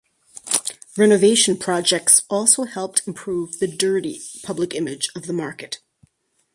Renovation projects also helped improve the "dirty" public image of the market.